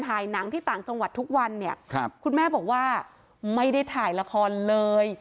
ถ่ายหนังที่ต่างจังหวัดทุกวันเนี่ยครับคุณแม่บอกว่าไม่ได้ถ่ายละครเลย